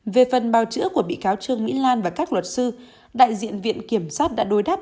về phần bào chữa của bị cáo trương mỹ lan và các luật sư đại diện viện kiểm sát đã đối đáp